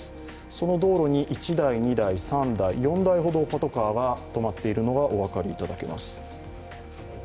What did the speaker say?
その道路に４台ほどパトカーが止まっていることがお分かりいただけます。